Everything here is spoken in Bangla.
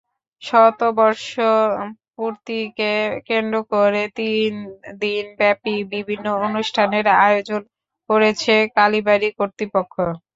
শতবর্ষ পূর্তিকে কেন্দ্র করে তিন দিনব্যাপী বিভিন্ন অনুষ্ঠানের আয়োজন করেছে কালীবাড়ি কর্তৃপক্ষ।